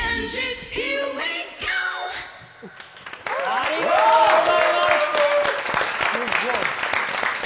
ありがとうございます！